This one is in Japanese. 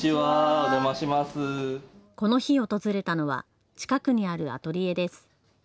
この日、訪れたのは近くにあるアトリエです。